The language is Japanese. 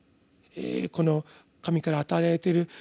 この神から与えられてる